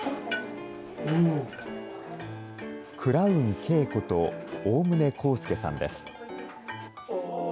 クラウンＫこと大棟耕介さんです。